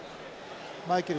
マイケル